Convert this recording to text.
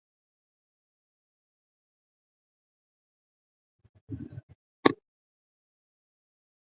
Yeye ndiye mwizi aliyepigwa jana jioni.